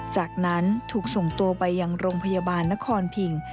จากนั้นถูกส่งตัวไปยังโรงพยาบาลนครพิง